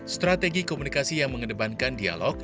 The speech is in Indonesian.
strategi komunikasi yang mengedepankan dialog